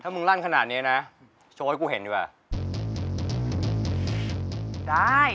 ถ้ามึงลั่นขนาดนี้นะโชว์ให้กูเห็นดีกว่า